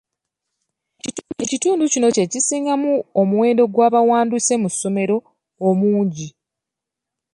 Ekitundu kino kye kisingamu omuwendo gw'abawanduse mu ssomero omungi.